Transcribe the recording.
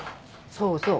そうそう。